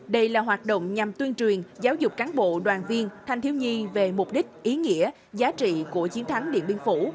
đây là hoạt động nhằm tuyên truyền giáo dục cán bộ đoàn viên thanh thiếu nhi về mục đích ý nghĩa giá trị của chiến thắng điện biên phủ